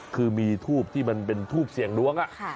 คือมีทูบที่มันเป็นทูบเสี่ยงดวง